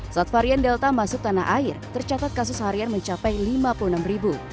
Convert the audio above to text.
saat varian delta masuk tanah air tercatat kasus harian mencapai lima puluh enam ribu